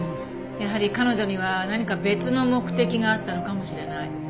やはり彼女には何か別の目的があったのかもしれない。